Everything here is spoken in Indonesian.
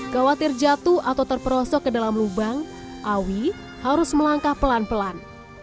khawatir jatuh atau terperosok ke dalam lubang awi harus melangkah pelan pelan